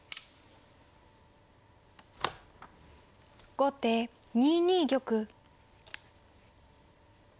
後手２二玉。